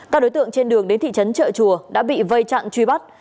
các đối tượng trên đường đến thị trấn trợ chùa đã bị vây chặn truy bắt